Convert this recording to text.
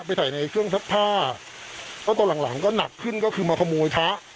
ใส่ในเครื่องซักผ้าแล้วตอนหลังหลังก็หนักขึ้นก็คือมาขโมยพระ